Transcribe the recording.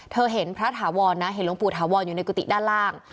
เห็นพระถาวรนะเห็นหลวงปู่ถาวรอยู่ในกุฏิด้านล่าง